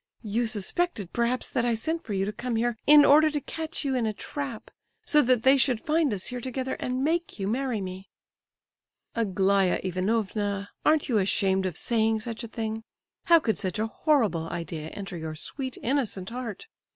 you suspected, perhaps, that I sent for you to come here in order to catch you in a trap, so that they should find us here together, and make you marry me—" "Aglaya Ivanovna, aren't you ashamed of saying such a thing? How could such a horrible idea enter your sweet, innocent heart?